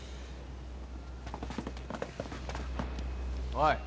・おい。